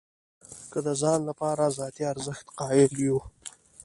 که د ځان لپاره ذاتي ارزښت قایل یو.